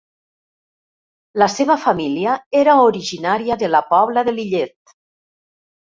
La seva família era originària de la Pobla de Lillet.